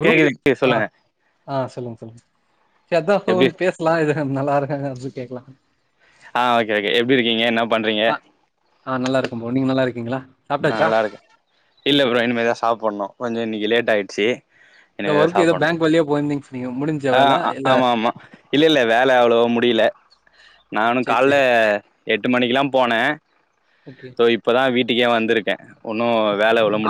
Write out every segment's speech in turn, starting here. Hello கேக்குது ஆஹ் சொல்லுங்க ஆஹ் சொல்லுங்க சொல்லுங்க எப்டி கத பேசலாம் இது நல்லா இருக்கு ஹ அ கேக்கலாம் ஆஹ் ஒகேஓகே எப்படி இருக்கீங்க என்ன பண்றீங்க ஆஹ் நல்லா இருக்கோம் ப்ரோ நீங்க நல்லா இருக் க்கீங்களா ஹ் நல்லா இருக்கேன் ப்ரோ இல்ல ப்ரோ இனிமேதான் சாப்பிடணும் கொஞ்சம் இன்னைக்கு லேட் ஆயிடுச்சு இந்த இனிமே தான் ஒர்க் ஏதோ சாப்பிடணும் பேங்க் வழியா போயிருந்தீங்க சொன்னீங்க முடிஞ்ச வேல அஹ் இல்ல ஆமா ஆமா இல்ல இல்ல வேலை அவளவோ முடியல நானும் சேரி காலைல சேரி எட்டு மணிக்கெல்லாம் போன் ல ஓகே தோ இப்பதான் வீட் கே வந்திருக்கேன் ஒன்னும்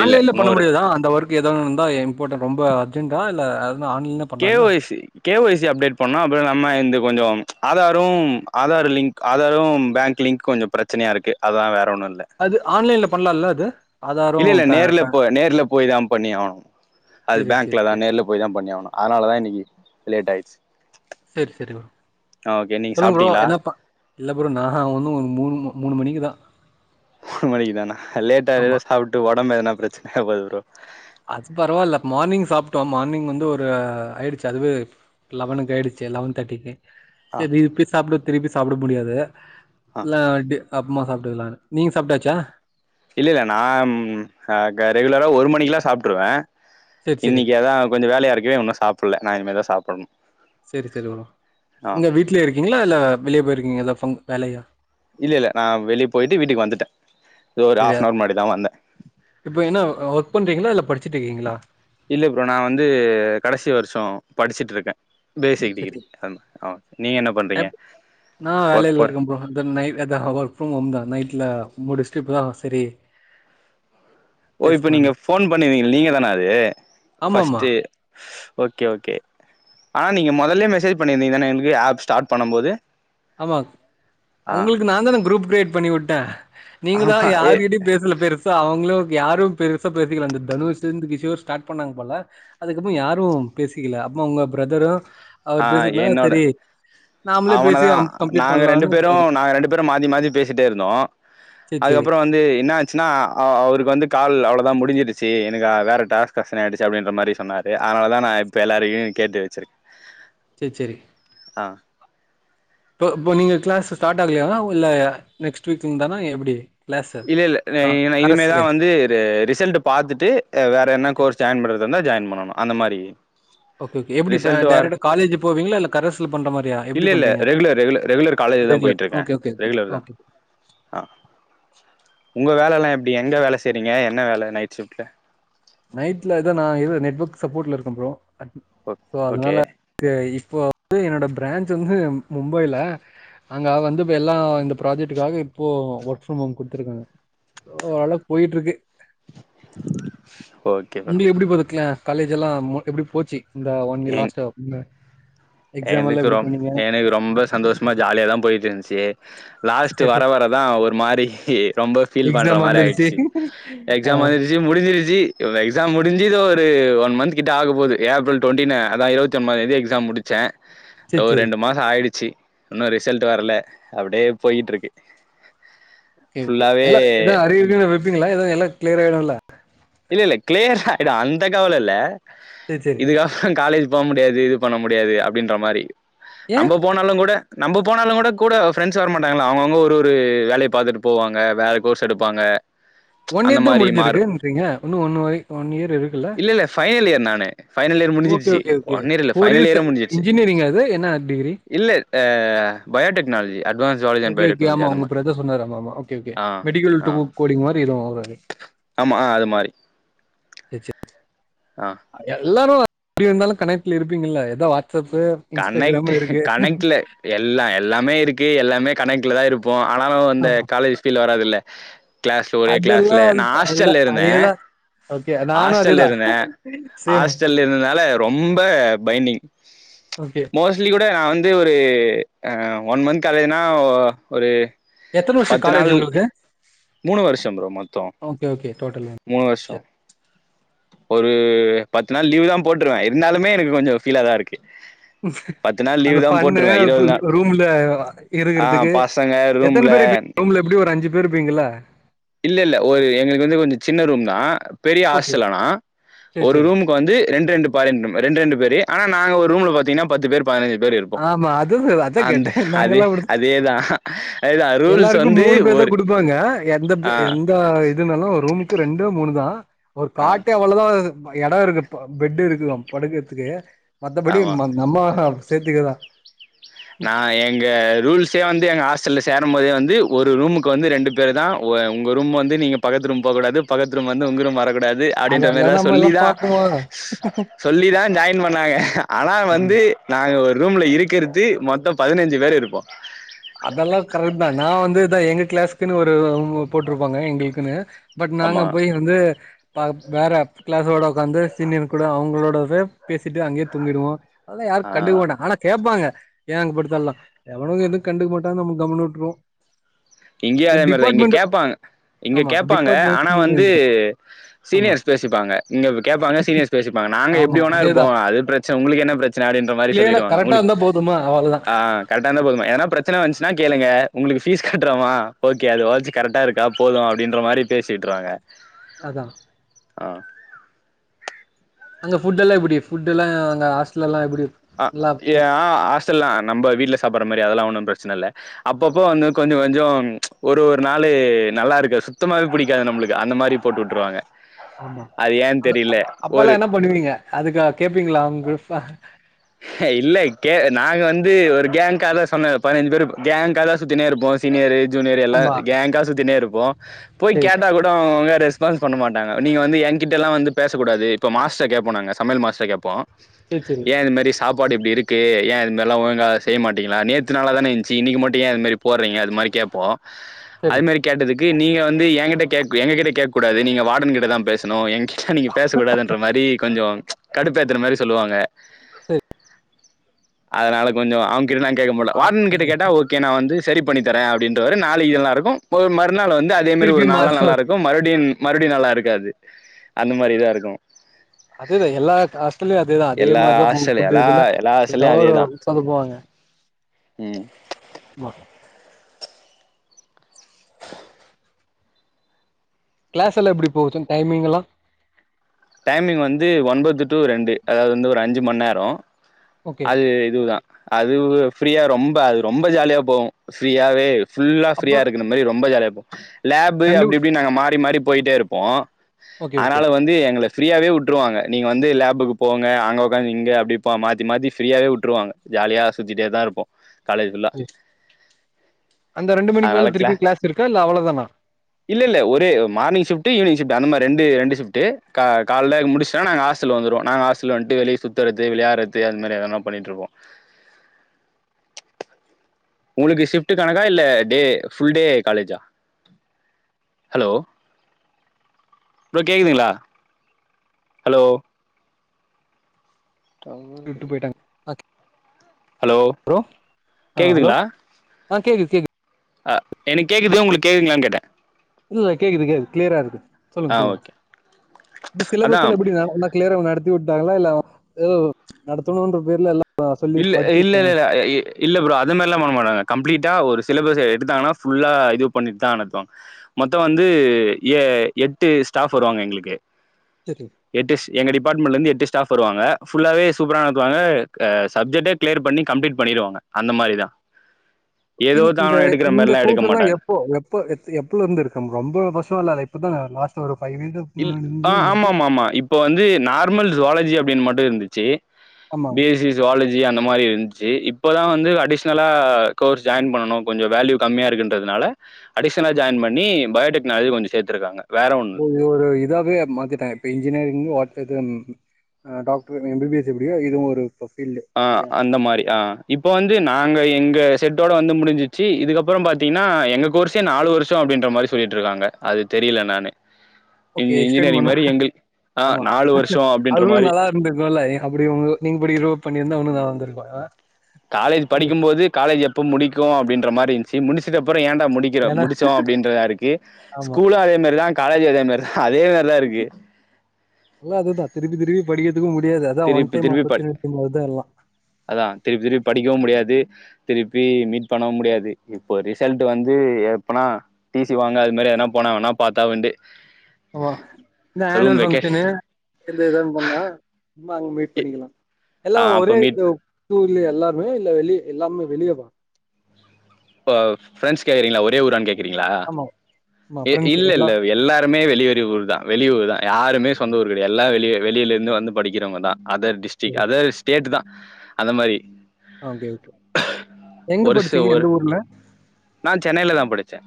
ஆன்லைன்ல பண்ண முடியாதா அந்த ஒர்க் எதுவும் வந்தா போட்டே ரொம்ப அர்ஜெண்டா இல்ல அது ஆன்லைன்ல பண்ணலால்ல கேவைசி கேவைசி அப்டேட் பண்ணனும் நம்ம இந்த கொஞ்சம் ஆதாரும் ஆதார் லிங்க்ஆதாரும் பேங்க்லிங்க் கொஞ்சம் பிரச்சனையா இருக்கு அதான் வேற ஒன்னு இல்ல அது ஆன்லைன்ல பண்ணலாம்ல்ல அது ஆதாரு இல்ல இல்ல பே நேர்ல பே போ நேர்ல போய் தான் பண்ணி ஆகணும் அது சேரி சேரி பேங்க்ல தான் சேரி நேர்ல போய் தான் பண்ணி ஆகணும் அதனாலதான் இன்னைக்கு லேட் ஆயிடுச்சு செரி செரி ப்ரோ ஆ ஓகே நீங்க சொல்லு ப்ரோ சாப்ட்டீங்களா என்னப்பா இல்ல ப்ரோ நான் ஒ ஒரு மூணு மணிக்குதான் மூணு மணிக்கு தானா லேட்ட சாப்பிட்டு உடம்ப எதன பிரச்சனையாஅவ போதும் அது பரவாயில்ல மார்னிங் சாப்பிட்டோம் மார்னிங் வந்து ஒரு ஆயிடுச்சு அதுவே லெவனுக்கு ஆயிடுச்சு லெவன் தேர்ட்டிக்கு ஆ செரி இது இப்படி சாப் திரும்பி சாப்பிட முடியாது ஆ இல்ல வண்ட்டு அப்புறமா சாப்ப இல்ல நீங்க சாப்பிட்டாச்சா இல்ல இல்ல நான் ரெகுலரா ஒரு மணிக்கல்லாம் சாப்பிட்டுருவேன் சரி, சரி. இன்னைக்கு அதான் கொஞ்சம் வேலையா இருக்கவே ஒன்னும் சாப்பிட புள்ள நான் இனிமே தான் சாப்பிடணும் சேரி சேரி வரும் எங்க வீடலய இருக்கீங்களா இல்ல வெளியே போயிருக்கீங்களா வேலையா இல்ல இல்ல நான் வெளியே போயிட்டு வீட்டுக்கு வந்துட்டேன் ஒரு ஒரு ஹல்ப் சரியா. ஃப்ன் நவர் முன்னாடி தான் வந்தேன் நீங்கள இல்ல படி இல்லி ப்ரோ நா வந்து கடசி வருஷ படிச்சுட்ருக்கே பேசிக் சரி டிகிரி ஆமா ஆ நீங்க என்ன பண்றீங்க அப் ந ஒர்க் வேலில போற இருக்கே ப்ரோ த ஹவர் நைட்த ஒர்க் ம் ஹோம் தா நைட்ல முடிஸ்ட்டு இப்ப தா செய்ய செரி ஓ இப்ப நீங்க ஃபோன் பண்ணிருங்க நீங்க தானே அது ஆமாமா. பஸ்ட்ட் ஓகே ஓகே ஆனா நீங்கள் முதல்லே மெசேஜ் பண்ணியிருந்தீங்கான எனக்கு ஆப் ஸ்டார்ட் பண்ணு போது ஆம ஆ உங்களுக்கு நாங்க தா குரூப் கிரியேட் பண்ணிவிட் ட நீங்கதா ஆமா ஏ யாரிகிட்டியும் பேசல பெருசா அவங்ளு யாரு பெருசா பேசிக்கல அந்த தனுஷந் கிஷோர் ஸ்டார்ட் பண்ணாங்க போல அதுக்கப்ற யாரு பேசிக்கல அப்ப உங்க ப்ரதரு அவர் ஆ பேசுதுனா சரி நாம்ளே பேச அ நாங்க ரெண்டு பேரு நாங்க ரெண்டு பேரு மாத்தி மாறி பேசிட்டே இருந்தோ சரி, சரி. அதுக்கப்ற வந்து என்னா ஆச்சுனா அ அவருக்கு வந்து கால் அவ்ள லா முடிஞ்சிருச்சி எனக்கு வேற டாஸ்க் அசைனாய்டுச்சு அப்டின்ற மாரி சொன்னா அதனாலதா நா இப்ப எல்லாருடயு கேட்டு வச்சிருக்கே சே சேரி ஆ இப்போ இப்ப நீங்க க்ளாஸ் ஸ்டார்ட் ஆகலானா இல்ல நெக்ஸ்ட் வீக்ல இருந்தானா எப்டி இல்ல இல்ல ந இனிமேதா வந்து ரிசல்ட் பாத்துட்டு வேற என்ன கோர்ஸ் ஜாயின் பண்றது ப்ருந்த ஜாயின் பண்ணணு அந்த மாரி ஓகே ஓகே எப்டி இப்ப ரிசல்ட் வார் டேரேக்ட்டா காலேஜ் போவீங்களா இல்ல கரஸ்ல பண்றமாரியா எப்டி இல்ல இல்ல பண்றீங்க ரெகுலர் ரெகுலர் ரெகுலர் காலேஜ் தா ரெகுலர் போயிட்டு இருக்கே ஒகே ரெகுலர் தா ஒகே ஆ உங்க வேலலெல்லா எப்டி எங்க வேல செய்றீங்க என்ன வேல நைட் ஷிப்ட்ல நைட்ல இது நா இது நெட்வொர்க் சப்போர்ட்ல இருக்க ப்ரோ ஓ ஷோ ஓகே அதனால என்க்கு இப்போ து என்னோட பிரான்ச் வந்து மும்பைல அங்க வந்து இப்ப எல்லாம் இந்த ப்ராஜெட்டுக்காக இப்போ ஒர்க் ஃப்ரம் ஹோம் குத்துருக்காங்க ஓரளக் போயிட்ருக்கு [unintelligible] ஓகே ப்ரோ உன்டி எப்டி க்ளேஸ் காலேஜ்லா மோஸ்ட் எப்டி போச்சி ம் எக்ஸாம் எல்லா எனக்கு எப்டி ரொம் பண்ணீங்க எனக்கு ரொம்ப சந்தோஷமா ஜாலியாதா போயிட்டு இந்துச்சி லாஸ்ட் வர வரதா ஒரு மாரி ரொம்ப ஃபீல் பண்ற எக்ஸாம் மார வந்துருச்சு ஆயிச்சி ஆ எக்ஸாம் வந்துருச்சி முடிஞ்சிருச்சி எக்ஸாம் முடிஞ்சி இதோ ஒரு ஒன் மன்ந்க்கிட்ட ஆக போது ஏப்ரல் டொண்டின் அதா இருபத்தி ஒம்பதா தேதி எக்ஸாம் முடிச்ச சேரி தோ சேரி ரெண்டு மாச ஆயிடுச்சி இன்னு ரிசல்ட் வர்ல அப்டே போயிட்டுருக்கு ஓகே ஓகே எல்ல எதா அரியர் ஏது வப்பீங்களா எல்லா க்ளியராயிடுள்ள இல்ல இல்ல கிளயர் அட் இது அந்த கவலயல்ல சேரி சேரி இதுக் [unintelligible] காலேஜ் போ முடியாது இது பண்ண முட் தேவை அப்டின்ற மாரி ஏ நம்ப போனாலு கூட நம்ப போனாலு கூட கூட ஃப்ரெண்ட்ஸ் வர மாட்டாங்களா அவுங்க அவுங்க ஒரு ஒரு வேலையை பாத்துட்டு போவாங்க வேற கோர்ஸ் எடுப்பாங்க ஒன் அந்த இயர்தா மாரி மாறு முடிஞ்சிருக்கு ன்றீங்க இன்னு ஒன்னு ஓய் ஒன் இயர் இருக்குல்ல இல்ல இல்ல ஃபைனல் இயர் நானு ஃபைனல் இயர் ஒக்கே முடிஞ்சிருச்சு ஒக்கே ஒகே ஒன் இயர் இல்ல ஒரு ஃபைனல் ச இயரே முடிஞ்சிருச்சு இன்ஜுனீயரிங்க அது என்னா டிகிரி இல்ல ஆ biotechnology advance zoology and okay okay biotechnology ஆமா அந்த உங்க மாரி பிரதர் சொன்னாரு ஆமா ஆமா ஒக்கே ஒகே ஆ மெடிக்கள் டூ ஆ கோடிங் மாரி இதுவும் ஆமா அது மாரி ஆ எல்லாமே வர் எப்டி இருந்தாலு கனெட்ல இருப்பீங்கள ஏதா வ கனெக்ட் கனெக்ட்ல எல்லா எல்லாமே இருக்கு எல்லாமே கனெக்ட் ட்லா தா இருப் போ ஆனாலு அந்த ஆமா. காலேஜ் ஃபீல் வராதுல்ல க்ளாஸ்ல ஒரே க்ளாஸ்ல அதெல்லாம் அது நா ப எல்லா ஹாஸ்ட்டல்லா இருந்தே அதேதான். ஓகே. நானும் ஹாஸ்ட்டல்லா அதேதான். இருந்தே சேம். ஹாஸ்ட்டல்லா இருந்தாதால ரொம்ப பைண்டிங் [unintelligible] ஓகே. மோஸ்லி கூட நா வந் து ஒரு அ ஒன் மன்த் ஆகுதுன்ன ஆ ஒரு எத்தன வருஷ பத்து நாள் காலேஜ் உங்களுக்கு மூணு வருஷ புரோ மொத்த ஓகே, ஓகே. டோட்டல் சர் ஒரு பத்து நாள் லீவு தா போட்ருவே இருந்தாலுமே எனக்கு கொஞ்ச ஃபீல தா இருக்கு பத்து நாள் லீவ் அந்த தா ஃபன்னு போட்ருவே து இருவது ரூ நாள் ரூம்ல அ ஆ இருக்கறதுக்கு பசங்க எத்தன ரூம்ல பேர் இரு ரூம்ல எப்டி ஒரு அஞ்சு ப் பேர் இருப்பீங்களே இல்ல இல்ல ஒரு எங்களுக்கு வந்து கொஞ்ச சின்ன ரூம் தா பெரிய ஓகே. ஹாஸ்ட்டல் ஆனா சரி, ஒரு சரி. ரூமுக்கு வந்து ரெண்டு ரெண்டு பாரின் ரூம் ரெண்டு ரெண்டு பேரு ஆனா நா ஒ ரூம்ல பாத்திங்கனா பத்து பேர் பதினைஞ்சு பேர் இருப்போ ஆமா. அதுதான் அதான் அந்த கேட்டேன். அதே நாங்கலாம் அதேதா அதேதா ரூல்ஸ் எல்லாருக்கு வந்து மூணு பேர் தா ஒரு குடுப்பாங்க எந்த ப் ஆ எந்த இதுனாலு ரூமுக்கு ரெண்டோ மூணு தா ஒரு ஆ காட்டே அவ்ளதா ப எடோ இருக்கு ப்ப பெட்டு் இருக்கு படுக்குறதுக்கு மத்தபடி ஆமா. ம நம்ம சேத்திக்கறதுதா நா எங்க ரூல்ஸே வந்து எங்க ஹாஸ்டல்ல சே ரும்போதே வந்து ஒரு ரூமுக்கு வந்து ரெண்டு பேர்தா ஆ உங்க ரூம் வந்து நீங்க பக்கத்து ரூம் போக்கூடாது பக்கத்து ரூம் வந்து உங்க ரூம் வரக்கூடா து அப்டின்ற அதெல்லா மாரிலா நம்ம எல்லா சொல்லிதா பாக்குவோ சொல்லிதா ஜாயின் பண்ணாங்க ஆனா வந்து நாங்க ஒரு ரூம்ல இருக்கிற தி மொத்த பதினஞ்சு பேரு இருப்போ அதல்லா கரெக்ட்தா நா வந்துதா எங்க கிளாஸுக்குன்னு ஒரு போ போட்ருப்பாங்க எங்குளுக்குனு பட் நாங்க ஆமா. போய் வந்து பா வேற கிளாஸோட உக்காந்து சீனியர் கூட அவுங்களோடவே பேசிட்டு அங்கயே தூங்கிடுவோ அதல்லா யாரு ஆ கண்டுக்க மாட்டாங்க ஆனா கேப்பாங்க ஏன் அங்க படுத்தல்லா எவனு எது கண்டுக்க மாட்டாங்க நம்ம கம்முனு விட்ருவோ இங்கயு இந்த அதே மாரிதா இங்க டிபார்ட்மெண்ட் கேப்பாங்க இங்க ஆமா. கேப்பாங்க டிபார்ட்மெண்ட்ஸ் ஆனா வந்து எழுதிட்டோம். ஆமா, சீனியர்ஸ் பேசிப்பாங்க இங்க கேப்பாங்க சீனியர்ஸ் பேசிப்பாங்க நாங்க எப்டி ஆமா. வேண்ணா இருப்போ அதேதான். அது பிரச்சன உங்களுக்கு என்ன பிரச்சன அப்டின்ற மாரி கிளியரா சொல்லிருவாங்க கரெக்ட்டா உங்களுக் இருந்தா போதுமா? அவ்வளதான். ஆ கரெக்டா இருந்தா போதுமா ஏன்னா பிரச் சனா வந்துச்சுன்னா கேளுங்க உங்களுக்கு ஃபீஸ் கட் றமா ஓகே அதுவாச்சு கரெக்டா இருக்கா போது அப்டின்ற மாரி பேசி விட்ருவாங்க அதா ஆ அங்க ஃபுட் எல்லா எப்டி ஃபுட் எல்லா அங்க ஹாஸ்ட்லல்லா எப்டி அ ஏ ஆ ஆஸ்டல்லா நம்ப வீட்ல சாப்பட்ற மாரி அதெல்லா ஒண்ணும் பிரச் சன இல்ல அப்பப்போ வந்து கொஞ்சோ கொஞ்சோ ஒரு ஒரு நாளு நல்லா இருக்காது சுத்தமாவே புடிக்காது நம்மளுக்கு அந்த மாரி போட்டு விட்ருவாங்க ஆமா ஏன் அது தெரில அப் ஒரு அப்பல்லா என்ன பண்ணுவீங்க அதுக்காக கேப்பீங்களா அவங்க ஆ இல்ல கே நாங்க வந்து ஒரு கேங்காகதா சொன்ன பதினஞ்சு பேர் கேங்காதா சுத்தினே இருப்போ சீனியரு ஜூனியரு எல்லா ஆமா. கேங்கா சுத்தினே இருப்போ போய் சரி, கேட்டா கூட அவங்க ரெஸ் பான்ஸ் பண்ண மாட்டாங்க நீங்க வந்து என்கிட்ட எல்லா வந்து பேசக்கூடாது இப்ப மாஸ்ட்ர கேப்போ நாங்க சமையல் மாஸ்ட்ர கேப்போ சரி, சரி, ஏ இது மாரி சாப் பாடு இப்டி இருக்கு ஏ இது மாரிலா ஒழுங்கா செய்ய மாட்டீங்களா நேத்து நல்லாதான இந்த்ச்சு இன்னக்கி மட்டு ஏ இது மாரி போட்றீங்க அது மாரி கேப்போ சரி. அது மாரி கேட்டதுக்கு நீங்க வந்து ஏன்கிட்ட கேக் எங்ககிட்ட கேக்கூடாது நீங்க வாடன்கிட்டதா பேசணு ஏன்கிட்ட நீங்க பேச கூடாதுன்ற மாரி கொஞ்சோ கடுப்பேத்தற மாரி சொல்லுவாங்க அதனால கொஞ்ச அ வங்ககிட்ட நாங்க கேக்க மாட்டோ ஆமா. வாடன்கிட்ட கேட்டா ஓகே நா வந்து சரி பண்ணி தரே அப்டின்றுவாரு நாளக்கி நல்லா இருக்கு ப்போ மறுநாள் வந் து அதே மாரி திருப்பி ஒரு நாலு நாள் மாத்த நல்லா இருக்கு மறுபடியு மறுபுடி நல்லாருக்காது அந்த மாரி தா இருக்கு அதுதெ எல்லா ஆத்துலயு அ துதா அதே எல்லா மாரிதா மு ஹாஸ்டல் ஃபுட்டு எல்லா இதுல்ல எல்லா ஹாஸ்டல்லயும் எதாவ்து அதேதான் ஒன்னு சொதப்புவாங்க ம் ம் கிளாஸ் எல்லா எப்டி போவுது டைமிங் எல்லா டைமிங் வந்து ஒன்பது டு ரெண்டு அதாவ்து வந்து ஒரு அஞ்சு மண் நேரொ ஓகே. அது இதுவ்தா‌ அது வ ஃப்ரீயா ரொம்ப அது ரொம்ப ஜாலியா போவு ஃப்ரீயாவே ஃபுல்லா ஃப்ரீயா அப்புறம் இருக்குற மாரி ரொம்ப ஜாலியாப் போ ஹ [unintelligible] லேபு அப்டி இப்டின் நாங்க மாறி மாறி போயிட்டே இருப்போ ஓகே, ஆனால வந்து எங்கள ஃப்ரீயாவே வுட்ருவாங்க நீங்க வந்து லேபுக்கு போங்க அங்க ஒக்காந்து இங்க அப்டிப்போ மாத்தி மாத்தி ஃப்ரீயாவே வுட்ருவாங்க ஜாலியா சுத்திட்டே தா இருப்போ காலேஜ் ஃபுல்லா ஓகே. அந்த ரெண்டு மணிக்கு அதுனால மேல க்ளா திருப்பி கிளாஸ் இருக்கா இல்ல அவ்வளவுதானா இல்லெல்ல ஒரே morning shift evening shift அந்த மாரி ரெண்டு ரெண்டு ஷிஃப்டு கா கால்ல முடுச்டொனா நாங்க ஹாஸ்டல் வந்துருவொ நாங்க ஹாஸ்டல் வன்ட்டு வெளிய சுத்துறது விளையாறது அந் மாரி எதனா பண்ணிட்ருப்போ உங்ளுக்கு ஷிஃப்டு கணக்கா இல்ல டே ஃபுல் டே காலேஜா ஹலோ ப்ரோ கேக்குதுங்ளா ஹலோ விட்டு போயிட்டாங்க ஹலோ ப்ரோ ஆ ஹலோ கேக்குதுங்ளா ஆ கேக்குது கேக்கு அ எனக் கேக்குது உங்களுக் கேக்குங்ளான் கேட்டெ இல்லெல்ல கேக்குது கேகு கிளியரா இருக்கு சொல்லுங்க ஆ சொல்லுங்க ஓகே. இந்த சிலபஸ் அதான் எல்லா எப்பிடி ந நல்லா கிளியராவ நடத்திவுட் டாங்களா இல்ல எதோ நடத்தணுன்ற பேர்ல எல்லா இல்ல இல்லெலல எ இ இல்ல ப்ரோ அது மாரில்லா பண்ண மாட்டாங்க கம்ப்ளீட்டா ஒரு சிலபஸ எடுத்தாங்கனா ஃபுல்லா இது பண்ணிட் தா அனத்துவாங் மொத்த வந்து ஏ எட்டு ஸ்டாஃப் வருவாங்க எங்ளுக்கு சரி எட்டுஸ் எங்க டிபார்ட்மெண்ட்லெந்து எட்டு ஸ்டாஃப் வருவாங்க ஃபுல்லாவே சூப்பரா நடத்துவாங்க அ சப்ஜெக்டே கிளியர் பண்ணி கம்ப்ளீட் பண்ணிருவாங்க அந்த மாரி தா இந் இந்த இந்த கோஸெல்லா எப்போ எப்ப எத் எப்பலருந்து இருக்கம் ரொம்ப வர்ஷோலா இல்ல இப்பதா லாஸ்டா ஒரு ஃபைவ் இயர்ஸ் இல் ஆ முன்னாடி இருக்கு ஆமாமாமா இப்ப வந்து நார்மல் ஜுவாலஜி அப்டின் மட்டு இருந்து ச்சு ஆமா பி எஸ்சி சுவாலஜி அந்த மாரி இருந் ச்சி இப்போதா வந்து அடிஷ்னலா கோர்ஸ் ஜாயின் பண்ணணு கொஞ்ச வேல்யூ கம்மியா இருக்குன்றதுனால அடிஷ்ஷனா ஜாயின் பண்ணி பயோடெக்னாலஜி கொஞ்ச சேத்துருக்காங்க வேற ஒன்னு ஒவ்வோரு இ இதாவெ மாத்திட்டாங்க இப்ப இன்ஜினியரிங் வாத் இது ம் அ doctor M B B S எப்டியோ இதுவு ஒரு ப ஆ அந்த மாரி ஆ இப்ப வந்து நாங்க எங்க செட்டோட வந்து முடுஞ்சிச்சு இதுக்கப்பறம் பாத்தீன்னா எங்க கோர்ஸே நாலு வருஷொ அப்டின்ற மாரி சொல்லிட்ருக்காங்க அது தெரியல என்னானு ஓகே எக்ஸ்டன் பணண ஆ ஆமா நாலு வருஷோ அப்டின்ற அதுவு மாரி நல்லாருந்துருக்குல்ல அப்டி ஒங் நீங்க படிக்கிறப்ப பண்ணிரு ந்தா உன்னு நல்லாருந்துருக்குல்ல காலேஜ் படிக்கும்போது காலேஜ் எப்ப முடிக்கு அப்டின் ற மாரி இருன்ச்சி முடுச்சுட்ட ப்பறொ ஏன்டா முடிக்கிற ஏன்னா முடிச்சோ அப்டின்றதா இருக்கு ஆமா ஸ்கூலு அதே மாரிதா காலேஜு அதே மாரி அதே மார்தா இருக்கு எல்லா அதுதா திருப்பி திருப்பி படிக்க திருப்பி திருப்பி ப எல்லா அதா திருப்பி திருப்பி படிக்கவு முடியாது திருப்பி மீட் பண்ணவு முடியாது இப்ப ரிசல்ட்டு வந்து எப்பனா டி சி வாங்க அது மாரி எதனா போனா வேணா பாத்தா உண்டு ஆமா இந்த ரூம் ஆன்வல் வெக்கே பங்க்ஷனு எந்த எதான் பண்ணா ங்கனா அங்க மீட் பண்ணிக்கலா எல்லா ஆ அப்ப ஒரே மீட் ஒ [unintelligible] இல்ல எல்லாருமே இல்ல வெளிய எல்லாமே வெளியவா இப்ப ஃப்ரெண்ட்ஸ் கேக்றீங்ளா ஒரே ஊரான் கேக் குறீங்ளா ஆமா ஆமா ஃப்ரெண்ட்ஸ் இல்ல எல்லா இல்ல எல்லாருமே வெளிவரி ஊர் தா வெளியூர் தா யாருமே சொந்த ஊர் கடையா எல்லா வெளிய வெளிலெந்து வந்து படிக்கிறவுங்க தா அதர் டிஸ்ட்ரிக் அதர் ஸ்டேட்டு தா அந்த மாரி ஓகே ஓகே எங்க படுச்சீங்க எந்த ஊர்ல நா சென்னைல தா படிச்சே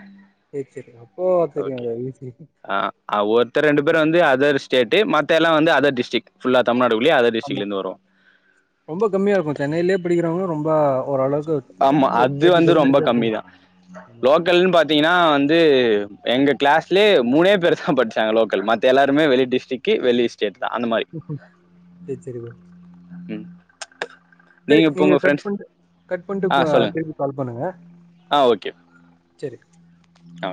சரி சரி அப்போ தெரியு ஒகே அது ஈஸி ஆ அ ஒருத்தர் ரெண்டு பேரு வந்து அதர்ஸ் டேட்டு மத்த எல்லா வந்து அதர் டிஸ்ட்ரிக் ஃபுல்லா தமிழ்நாடு ஆமா ரொம்ப கம்மியா இருக்கு சென்னைலே படிக்கிறவ்ங்க ரொம் ம்ப ஓரளவு ஆமா அது வந்து ரொம்ப கம்மிதா ஆமா லோக்கல்னு பாத்தீங்கனா வந்து எங்க கிளாஸ்லே மூனே பேரு தா பட்ச்சாங்க லோக்கல் மத்த எல்லாருமே வெளி டிஸ்ட்ரிக்கு வெளி ஸ்டேட் தான். அந்த மாரி. செர் செரி ப்ரோ ம். செரி இப்ப நீங்க உங்க கட் ஃப்ரெண்ட்ஸ் பண்டு கட் பண்ட்டு ஆ கா சொல்லுங்க. திருப்பி கால் பண் ணுங்க ஆ ஓகே செரி ஆ